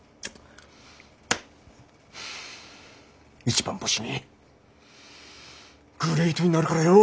一番星にグレイトになるからよ。